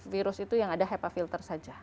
virus itu yang ada hepa filter saja